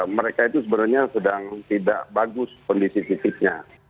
mereka itu sebenarnya sedang tidak bagus kondisi fisiknya